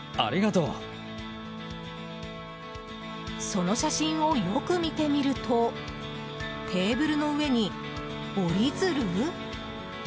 その写真をよく見てみるとテーブルの上に折り鶴？